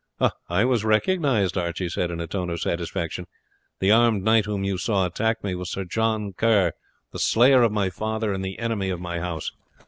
"I was recognized," Archie said in a tone of satisfaction. "The armed knight whom you saw attack me was Sir John Kerr, the slayer of my father and the enemy of my house.